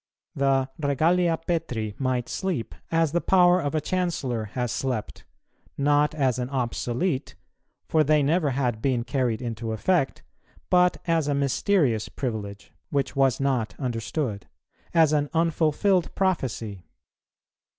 The regalia Petri might sleep, as the power of a Chancellor has slept; not as an obsolete, for they never had been carried into effect, but as a mysterious privilege, which was not understood; as an unfulfilled prophecy.